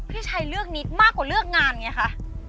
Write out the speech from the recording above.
พี่ชัยเลือกนิดมากกว่าเลือกงานไงคะ